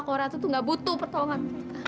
kok ratu tuh nggak butuh pertolongan